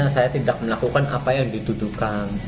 saya tidak melakukan apa yang dituduhkan